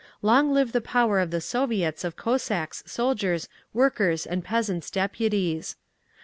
"Long live the power of the Soviets of Cossacks', Soldiers', Workers' and Peasants' Deputies.